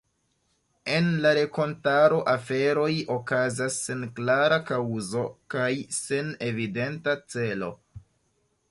En la rakontaro aferoj okazas sen klara kaŭzo kaj sen evidenta celo.